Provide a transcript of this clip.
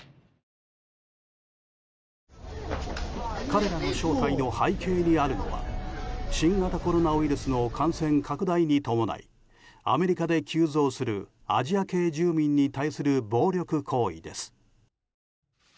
彼らの招待の背景にあるのは新型コロナウイルスの感染拡大に伴いアメリカで急増するアジア系住民に対する暴力行為です。